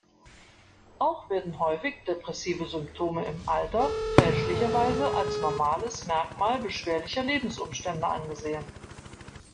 Auch werden häufig depressive Symptome im Alter fälschlicherweise als normales Merkmal beschwerlicher Lebensumstände angesehen.